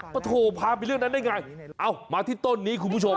โถพาไปเรื่องนั้นได้ไงเอามาที่ต้นนี้คุณผู้ชม